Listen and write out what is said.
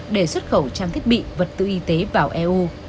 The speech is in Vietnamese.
để xuất khẩu trang thiết bị vật tự y tế vào eu